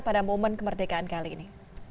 pada momen kemerdekaan kali ini